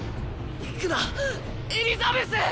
行くなエリザベス！